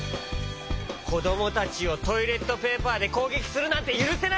こどもたちをトイレットペーパーでこうげきするなんてゆるせない！